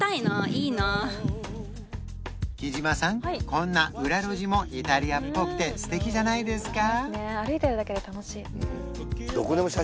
こんな裏路地もイタリアっぽくて素敵じゃないですか？